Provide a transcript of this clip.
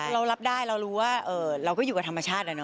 เรารับได้เรารู้ว่าเราก็อยู่กับธรรมชาติแล้วเน